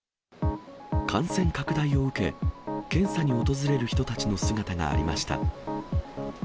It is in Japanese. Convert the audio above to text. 感染拡大を受け、検査に訪れる人たちの姿がありました。